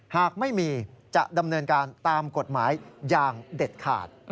หากไม่มีจะดำเนินการตามกฎหมายอย่างเด็ดขาด